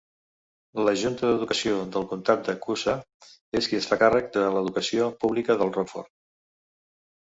La Junta d'Educació del comtat de Coosa és qui es fa càrrec de l'educació pública del Rockford.